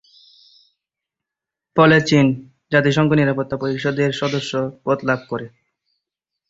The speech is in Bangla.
ফলে চীন জাতিসংঘ নিরাপত্তা পরিষদের সদস্য পদ লাভ করে।